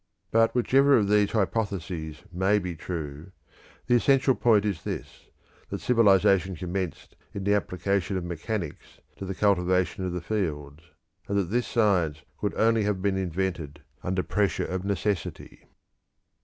But whichever of these hypotheses may be true, the essential point is this, that civilisation commenced in the application of mechanics to the cultivation of the fields, and that this science could only have been invented under pressure of necessity.